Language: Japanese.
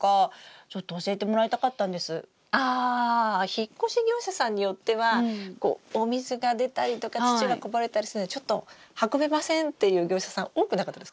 引っ越し業者さんによってはお水が出たりとか土がこぼれたりするのでちょっと運べませんっていう業者さん多くなかったですか？